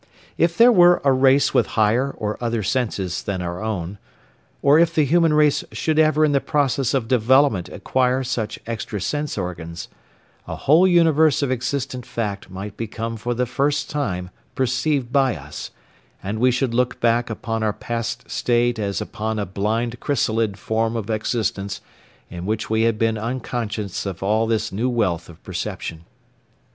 If there were a race with higher or other senses than our own, or if the human race should ever in the process of development acquire such extra sense organs, a whole universe of existent fact might become for the first time perceived by us, and we should look back upon our past state as upon a blind chrysalid form of existence in which we had been unconscious of all this new wealth of perception.